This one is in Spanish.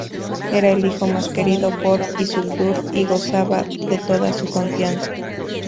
Era el hijo más querido por Isildur y gozaba de toda su confianza.